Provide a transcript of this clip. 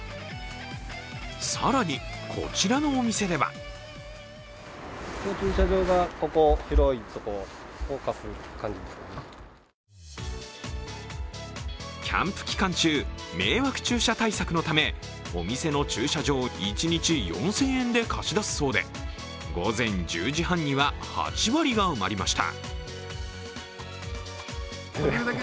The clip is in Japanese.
更にこちらのお店ではキャンプ期間中、迷惑駐車対策のため、お店の駐車場を一日４０００円で貸し出すそうで、午前１０時半には８割が埋まりました。